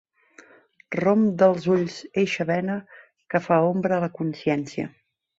Romp dels ulls eixa bena que fa ombra a la consciència.